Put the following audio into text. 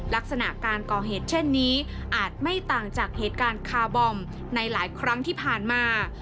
ลักษณะการก่อเหตุเช่นนี้อาจไม่ต่างจากเหตุการณ์คาร์บอมในหลายครั้งที่ผ่านมา